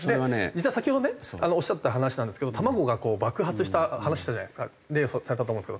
実は先ほどねおっしゃった話なんですけど卵が爆発した話例されたと思うんですけど。